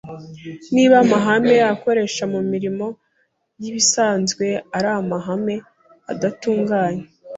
Niba amahame akoresha mu mirimo y’ibisanzwe ari amahame adatunganye,